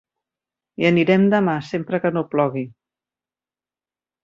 Hi anirem demà, sempre que no plogui.